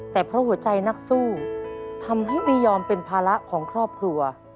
แต่เพราะหัวใจนักสู้ทำให้ไม่ยอมเป็นภาระของครอบครัว